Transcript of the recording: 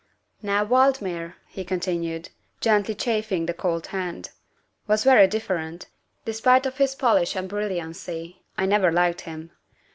" Now Valdmir," he continued, gently chafing the cold hand, " was very different. In spite of his polish and brilliancy, I never liked him.